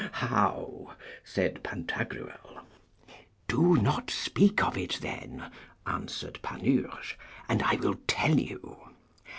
How? said Pantagruel. Do not speak of it then, answered Panurge, and I will tell it you.